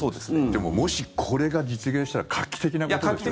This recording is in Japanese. でももしこれが実現したら画期的なことですよね。